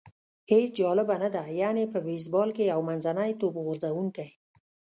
هېڅ جالبه نه ده، یعنې په بېسبال کې یو منځنی توپ غورځوونکی.